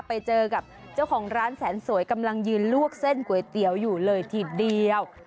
ไปเจอกับเจ้าของร้านแสนสวยกำลังยืนลวกเส้นก๋วยเตี๋ยวอยู่เลยทีเดียว